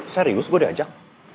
serius gue diajak